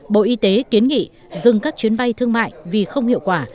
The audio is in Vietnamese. bộ y tế kiến nghị dừng các chuyến bay thương mại vì không hiệu quả